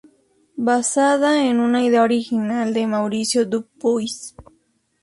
Basada en una idea original de Mauricio Dupuis.